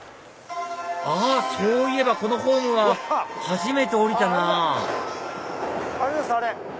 あっそういえばこのホームは初めて降りたなぁあれですあれ！